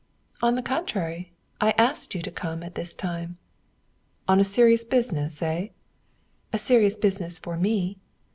"On the contrary, I asked you to come at this time." "On a serious business, eh?" "A serious business for me."